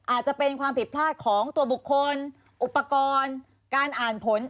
อาจจะเป็นความผิดพลาดของตัวบุคคลอุปกรณ์การอ่านผล